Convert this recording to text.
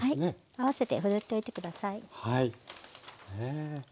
合わせてふるっておいて下さい。